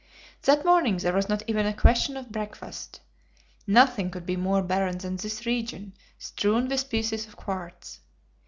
That morning there was not even a question of breakfast. Nothing could be more barren than this region strewn with pieces of quartz.